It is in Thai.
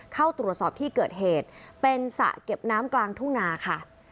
เข้าตรวจสอบที่เกิดเหตุเป็นสระเก็บน้ำกลางทุ่งนาค่ะ